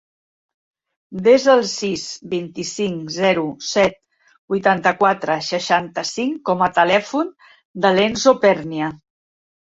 Desa el sis, vint-i-cinc, zero, set, vuitanta-quatre, seixanta-cinc com a telèfon de l'Enzo Pernia.